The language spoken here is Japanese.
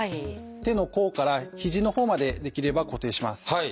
手の甲から肘のほうまでできれば固定します。